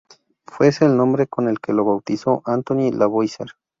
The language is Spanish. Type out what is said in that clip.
Fue ese el nombre con el que lo bautizó Antoine Lavoisier.